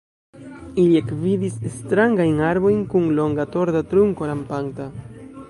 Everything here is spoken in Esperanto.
Ili ekvidis strangajn arbojn kun longa torda trunko rampanta.